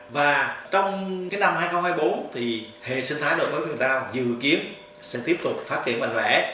và trong năm hai nghìn hai mươi bốn thì hệ sinh thái đội mới sáng tạo dự kiến sẽ tiếp tục phát triển mạnh vẽ